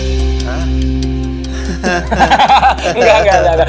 enggak enggak enggak